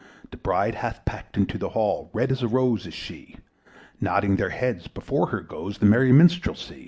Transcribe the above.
The bride hath paced into the hall, Red as a rose is she; Nodding their heads before her goes The merry minstrelsy.